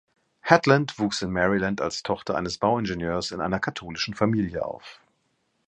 Headland wuchs in Maryland als Tochter eines Bauingenieurs in einer katholischen Familie auf.